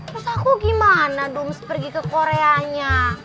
terus aku gimana dong harus pergi ke koreanya